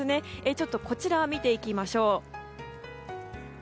ちょっとこちらを見ていきましょう。